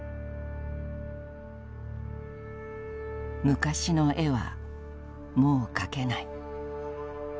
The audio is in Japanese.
「昔の絵はもう描けない」。